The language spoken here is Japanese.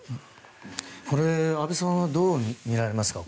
これ、安部さんはどうみられますか？